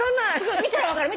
見たら分かる。